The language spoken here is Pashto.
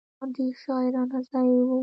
ډېر شاعرانه ځای و.